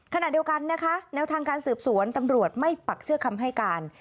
ขณะเดียวกันนะคะแนวทางการสืบสวนตำรวจไม่ปักเชื่อคำให้การ